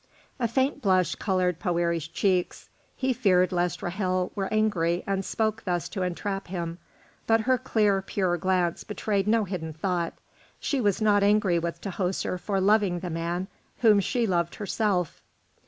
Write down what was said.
A faint blush coloured Poëri's cheeks; he feared lest Ra'hel were angry and spoke thus to entrap him, but her clear, pure glance betrayed no hidden thought. She was not angry with Tahoser for loving the man whom she loved herself.